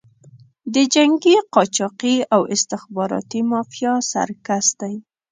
د جنګي قاچاقي او استخباراتي مافیا سرکس دی.